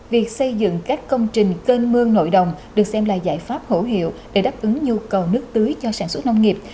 việc xây dựng các công trình kênh mương nội đồng được xem là giải pháp hữu hiệu để đáp ứng nhu cầu nước tưới cho sản xuất nông nghiệp